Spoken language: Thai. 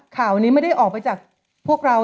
ข่าวนี้ไม่ได้ออกไปจากพวกเรา